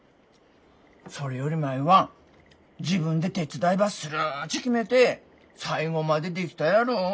それより舞は自分で手伝いばするっち決めて最後までできたやろ。